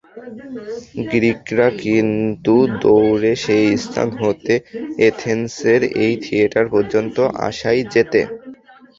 গ্রীকরা কিন্তু দৌড়ে সে স্থান হতে এথেন্সের এই থিয়েটার পর্যন্ত আসায় জেতে।